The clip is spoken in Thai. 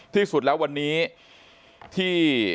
ที่สุดแล้ววันนี้ที่